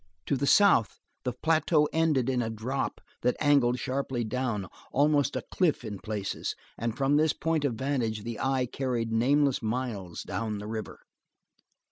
To the south the plateau ended in a drop that angled sharply down, almost a cliff in places, and from this point of vantage the eye carried nameless miles down the river.